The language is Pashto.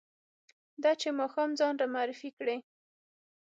ده چې ماښام ځان را معرفي کړ.